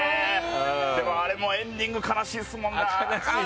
でも、あれもエンディング悲しいっすもんなー。